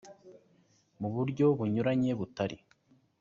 mu buryo bunyuranye butari.